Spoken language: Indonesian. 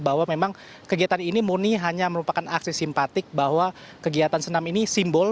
bahwa memang kegiatan ini murni hanya merupakan aksi simpatik bahwa kegiatan senam ini simbol